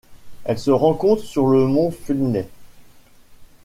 Elle se rencontre sur le mont Finlay.